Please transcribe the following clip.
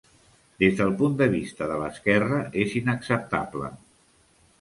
Des del punt de vista de l'esquerra és inacceptable.